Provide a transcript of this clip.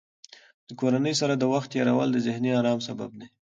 د کورنۍ سره د وخت تېرول د ذهني ارام سبب دی.